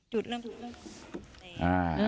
จุดเริ่ม